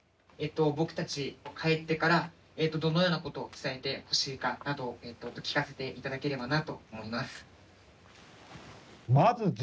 僕たち帰ってからどのようなことを伝えてほしいかなど聞かせて頂ければなと思います。